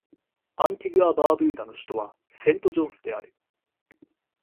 アンティグア・バーブーダの首都はセントジョンズである